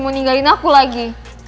mau ninggalin aku lagi